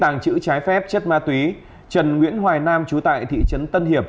tàng trữ trái phép chất ma túy trần nguyễn hoài nam chú tại thị trấn tân hiệp